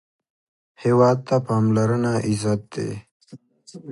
هېواد ته پاملرنه عزت دی